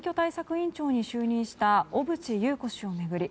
委員長に就任した小渕優子氏を巡り